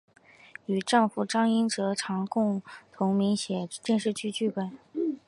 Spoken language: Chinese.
与丈夫张英哲常共同撰写电视剧剧本。